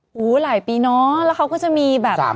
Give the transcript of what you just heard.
หลายปีเนอะแล้วเขาก็จะมีแบบ